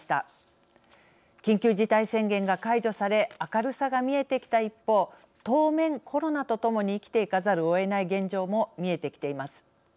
緊急事態宣言が解除され明るさが見えてきた一方当面コロナと共に生きていかざるをえない現状も見えてきています。